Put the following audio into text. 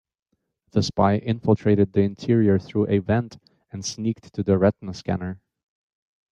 The spy infiltrated the interior through a vent and sneaked to the retina scanner.